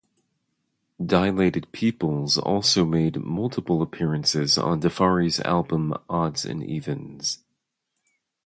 Dilated Peoples also made multiple appearances on Defari's album "Odds and Evens".